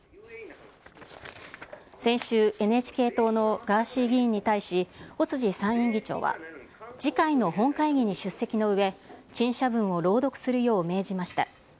先週、ＮＨＫ党のガーシー議員に対し、尾辻参院議長は、次回の本会議に出席のうえ、陳謝文を朗読するよう命じました。